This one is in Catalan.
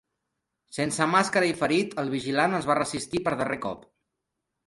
Sense màscara i ferit, el vigilant es va resistir per darrer cop.